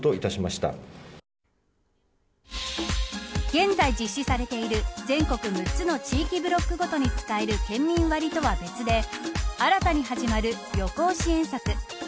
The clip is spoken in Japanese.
現在実施されている全国６つの地域ブロックごとに使える県民割とは別で新たに始まる旅行支援策。